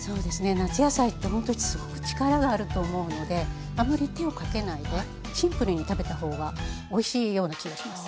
夏野菜ってほんとにすごく力があると思うのであまり手をかけないでシンプルに食べた方がおいしいような気がします。